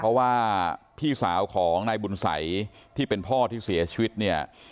เพราะว่าพี่สาวของนายบุญสัยที่เป็นพ่อที่เสียชีวิตเนี่ย